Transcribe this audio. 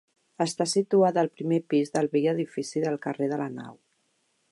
Està situada al primer pis del vell edifici del carrer de la Nau.